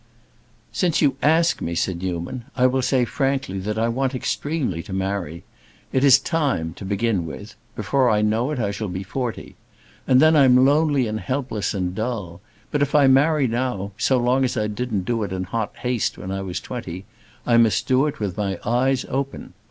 "Since you ask me," said Newman, "I will say frankly that I want extremely to marry. It is time, to begin with: before I know it I shall be forty. And then I'm lonely and helpless and dull. But if I marry now, so long as I didn't do it in hot haste when I was twenty, I must do it with my eyes open.